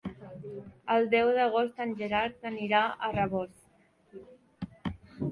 El deu d'agost en Gerard anirà a Rabós.